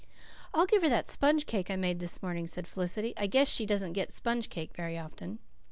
"I'll give her that sponge cake I made this morning," said Felicity. "I guess she doesn't get sponge cake very often."